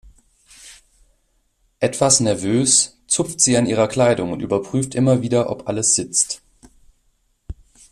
Etwas nervös zupft sie an ihrer Kleidung und überprüft immer wieder, ob alles sitzt.